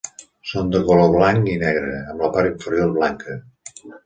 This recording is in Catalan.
Són de color blanc i negre, amb la part inferior blanca.